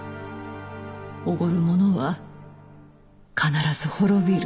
おごる者は必ず滅びる。